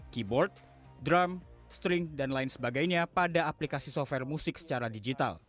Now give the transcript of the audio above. keyboard drum string dan lain sebagainya pada aplikasi software musik secara digital